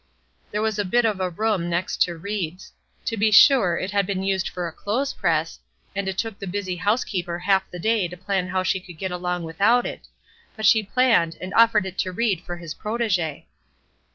There was a bit of a room next to Ried's. To be sure, it had been used for a clothes press, and it took the busy housekeeper half a day to plan how she could get along without it; but she planned, and offered it to Ried for his protégé.